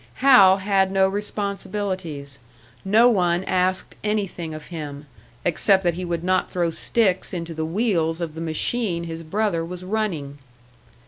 Hal had no responsibilities, no one asked anything of him except that he would not throw sticks into the wheels of the machine his brother was running.